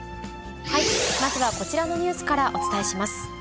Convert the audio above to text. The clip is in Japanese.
まずはこちらのニュースからお伝えします。